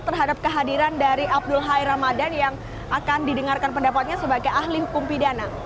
terhadap kehadiran dari abdul hai ramadan yang akan didengarkan pendapatnya sebagai ahli hukum pidana